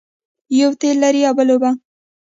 یوه تېل لري بل اوبه.